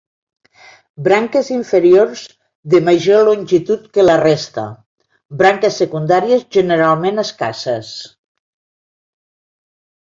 Branques inferiors de major longitud que la resta; branques secundàries generalment escasses.